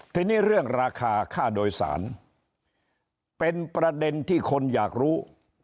ทีนี้เรื่องราคาค่าโดยสารเป็นประเด็นที่คนอยากรู้